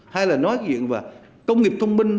hay là nói chuyện về công nghiệp thông minh